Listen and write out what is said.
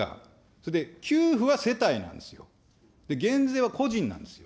それで給付は世帯なんですよ、減税は個人なんですよ。